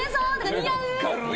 似合う。